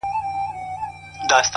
• زما د نیکه ستا د ابا دا نازولی وطن,